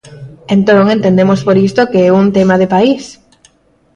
Entón, entendemos por isto que é un tema de país.